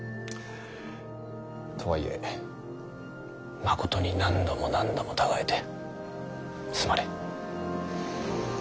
とはいえまことに何度も何度も違えてすまねぇ。